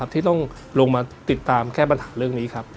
ที่ต้องลงมาติดตามแก้ปัญหาเรื่องนี้ครับ